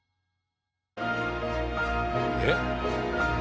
えっ？